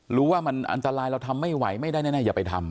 หรือว่ามันอันตรายเราทำไม่ไหวไม่ได้แน่อย่าไปทำ